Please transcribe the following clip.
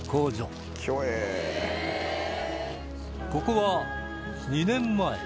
ここは２年前